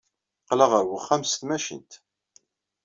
Qqleɣ ɣer uxxam s tmacint.